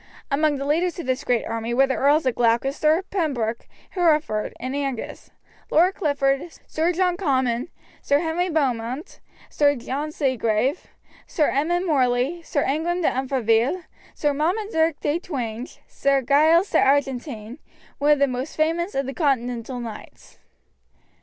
Among the leaders of this great army were the Earls of Gloucester, Pembroke, Hereford, and Angus, Lord Clifford, Sir John Comyn, Sir Henry Beaumont, Sir John Seagrave, Sir Edmund Morley, Sir Ingram de Umfraville, Sir Marmaduke de Twenge, and Sir Giles de Argentine, one of the most famous of the Continental knights.